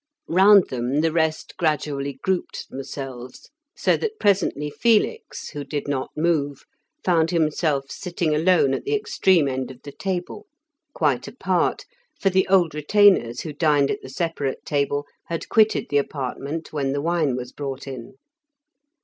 Round them the rest gradually grouped themselves, so that presently Felix, who did not move, found himself sitting alone at the extreme end of the table; quite apart, for the old retainers, who dined at the separate table, had quitted the apartment when the wine was brought in.